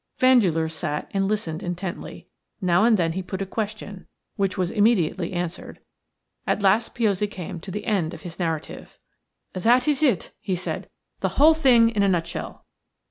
Vandeleur sat and listened intently. Now and then he put a question, which was immediately answered. At last Piozzi had come to the end of his narrative. "That is it," he said; "the whole thing in a nutshell."